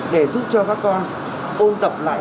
để giúp cho các con ôn tập lại